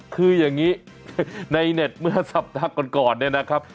คืออย่างนี้ในเน็ตเมื่อสัปดาห์ก่อนเนี่ยนะครับ